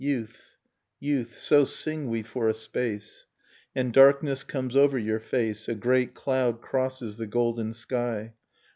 Youth ... youth ... so sing we for a space ... And darkness comes over your face, A great cloud crosses the golden sky.